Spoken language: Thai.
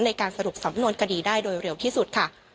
ในการสรุปสำนวนคดีได้โดยเร็วที่สุดค่ะ